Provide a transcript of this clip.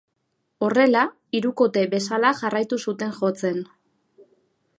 Horrela, hirukote bezala jarraitu zuten jotzen.